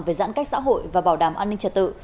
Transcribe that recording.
về giãn cách xã hội và bảo đảm an ninh trật tự